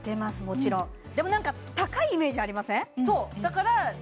もちろんでも何か高いイメージありません？